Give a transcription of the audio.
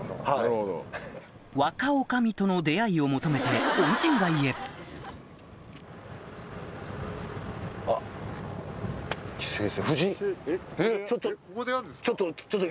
若女将との出会いを求めて温泉街へ棋聖えっ